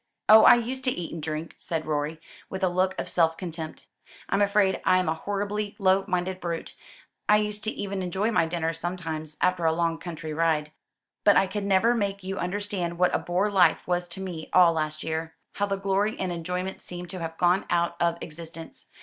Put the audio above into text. "Oh, I used to eat and drink," said Rorie, with a look of self contempt. "I'm afraid I'm a horribly low minded brute. I used even to enjoy my dinner, sometimes, after a long country ride; but I could never make you understand what a bore life was to me all last year, how the glory and enjoyment seemed to have gone out of existence.